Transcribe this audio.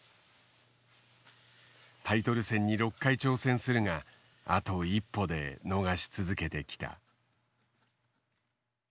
タイトル戦に６回挑戦するがあと一歩で逃し続けてきた。